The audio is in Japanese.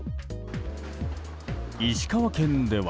石川県では。